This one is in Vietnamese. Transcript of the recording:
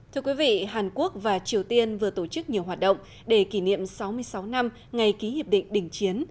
thưa quý vị hàn quốc và triều tiên vừa tổ chức nhiều hoạt động để kỷ niệm sáu mươi sáu năm ngày ký hiệp định đình chiến